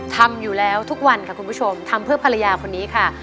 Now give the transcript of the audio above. ทำอยู่แล้วทุกวันค่ะคุณผู้ชมทำเพื่อภรรยาคนนี้ค่ะ